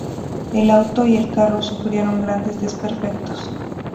El auto y el carro sufrieron grandes desperfectos.